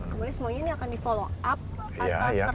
kemudian semuanya ini akan di follow up